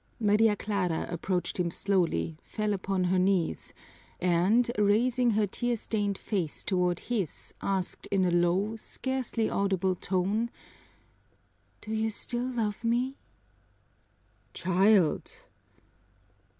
Maria Clara approached him slowly, fell upon her knees, and raising her tear stained face toward his asked in a low, scarcely audible tone, "Do you still love me?" "Child!"